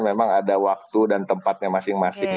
memang ada waktu dan tempatnya masing masing